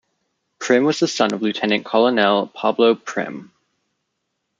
Prim was the son of lieutenant colonel Pablo Prim.